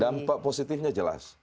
dampak positifnya jelas